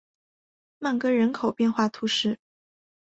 曼戈人口变化图示